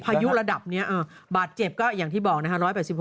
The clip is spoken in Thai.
ยุระดับนี้บาดเจ็บก็อย่างที่บอกนะคะ